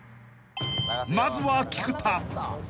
［まずは菊田］